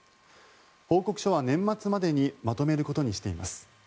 報告書は年末までにまとめることにしています。